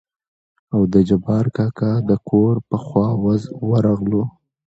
او د جبار کاکا دکور په خوا ورغلو.